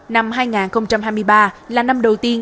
năm hai nghìn hai mươi ba là năm đầu tiên